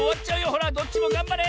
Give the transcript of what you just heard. ほらどっちもがんばれ！